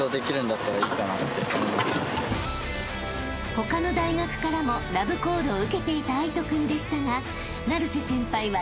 ［他の大学からもラブコールを受けていた藍仁君でしたが成瀬先輩は］